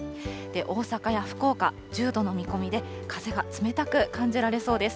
大阪や福岡、１０度の見込みで、風が冷たく感じられそうです。